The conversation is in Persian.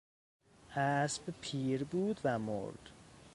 اسب پیر بود و مرد.